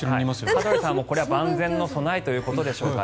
羽鳥さんは万全の備えということでしょう。